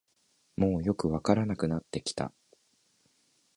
もうよくわからなくなってきた